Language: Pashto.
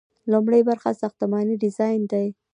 لومړی برخه ساختماني ډیزاین دی.